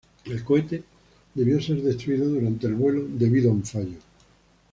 El cohete debió ser destruido durante el vuelo debido a un fallo.